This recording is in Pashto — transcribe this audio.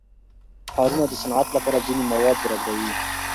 ښارونه د صنعت لپاره ځینې مواد برابروي.